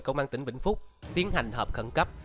công an tỉnh bình phúc tiến hành hợp khẩn cấp